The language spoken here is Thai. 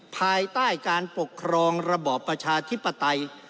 ภายใต้การปกครองระบอบประชาธิปไตย